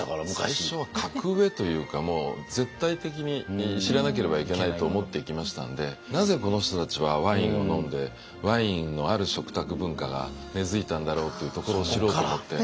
最初は格上というかもう絶対的に知らなければいけないと思って行きましたんでなぜこの人たちはワインを飲んでワインのある食卓文化が根づいたんだろうっていうところを知ろうと思って。